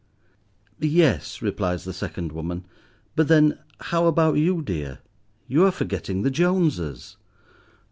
"Yes," replies the second woman, "but then, how about you, dear? You are forgetting the Joneses."